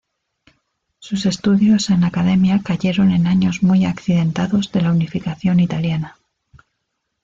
Sus estudios en la Academia cayeron en años muy accidentados de la unificación italiana.